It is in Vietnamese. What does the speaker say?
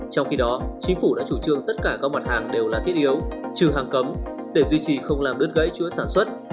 trong khi đó chính phủ đã chủ trương tất cả các mặt hàng đều là thiết yếu trừ hàng cấm để duy trì không làm đứt gãy chuỗi sản xuất